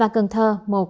cần thơ một